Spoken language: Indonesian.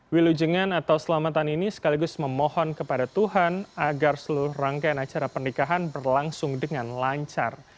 wilujengan atau selamatan ini sekaligus memohon kepada tuhan agar seluruh rangkaian acara pernikahan berlangsung dengan lancar